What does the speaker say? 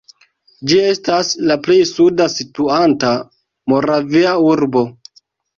Ĝi estas la plej suda situanta moravia urbo.